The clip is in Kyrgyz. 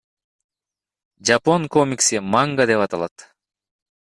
Жапон комикси манга деп аталат.